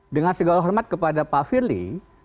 dengan segala hormat kepada pak firly